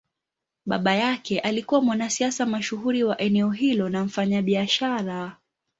Baba yake alikuwa mwanasiasa mashuhuri wa eneo hilo na mfanyabiashara.